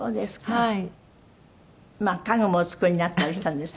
はい。